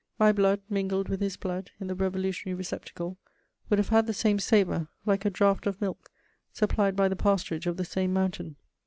My blood, mingled with his blood in the revolutionary receptacle, would have had the same savour, like a draught of milk supplied by the pasturage of the same mountain.